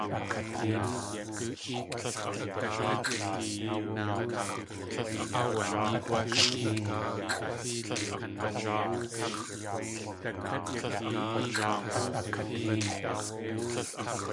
Aawanéegwálʼ.